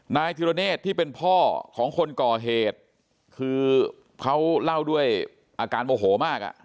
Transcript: นายธิรเนธที่เป็นพ่อของคนก่อเหตุคือเขาเล่าด้วยอาการโมโหมากอ่ะ